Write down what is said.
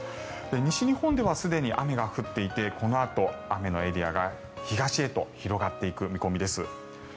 西日本ではすでに雨が降っていてこのあと、雨のエリアが東へと広がっていく見込みです。